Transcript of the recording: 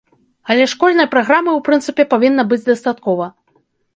Але школьнай праграмы ў прынцыпе павінна быць дастаткова.